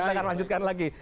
kita akan lanjutkan lagi